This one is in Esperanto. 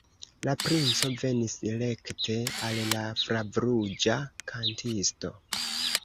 La princo venis rekte al la flavruĝa kantisto.